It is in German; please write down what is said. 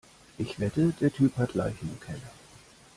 Ich wette, der Typ hat Leichen im Keller.